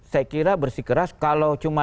saya kira bersih keras kalau cuma